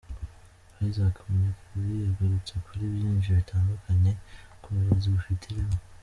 Isaac Munyakazi yagarutse kuri byinshi bitandukanye ku burezi bufite ireme.